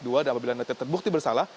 dan apabila nanti terbukti bersalah